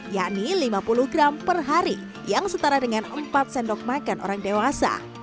yakni lima puluh gram per hari yang setara dengan empat sendok makan orang dewasa